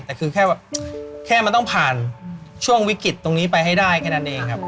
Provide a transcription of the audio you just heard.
แต่คือแค่แบบแค่มันต้องผ่านช่วงวิกฤตตรงนี้ไปให้ได้แค่นั้นเองครับ